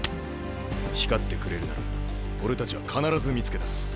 光ってくれるなら俺たちは必ず見つけ出す。